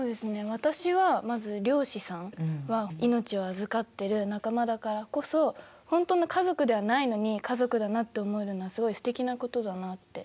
私はまず漁師さんは命を預かってる仲間だからこそほんとの家族ではないのに家族だなと思えるのはすごいすてきなことだなって。